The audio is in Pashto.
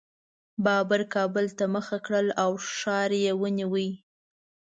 بابر کابل ته مخه کړه او ښار یې ونیو.